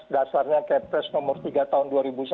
dasarnya kepres nomor tiga tahun dua ribu satu